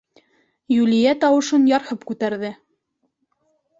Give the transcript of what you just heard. — Юлия тауышын ярһып күтәрҙе.